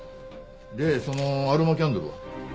でそのアロマキャンドルは？